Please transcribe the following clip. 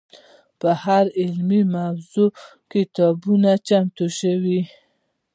په هره علمي موضوع کتابونه چمتو شي.